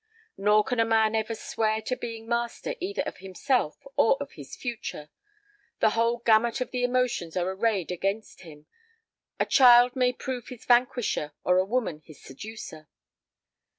Nor can a man ever swear to being master either of himself or of his future; the whole gamut of the emotions are arrayed against him; a child may prove his vanquisher or a woman his seducer.